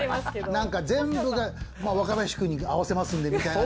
なんか全部が若林くんに合わせますんでみたいな。